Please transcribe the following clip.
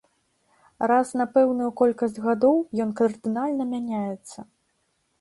Раз на пэўную колькасць гадоў ён кардынальна мяняецца.